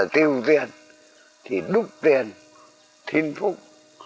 tiêu tiền thì đúc tiền thiên phúc